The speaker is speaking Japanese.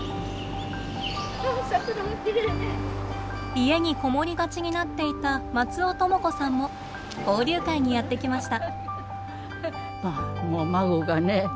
家にこもりがちになっていた松尾智子さんも交流会にやって来ました。